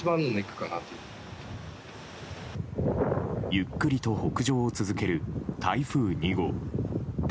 ゆっくりと北上を続ける台風２号。